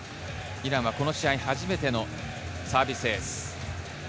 イランはこの試合初めてのサービスエース。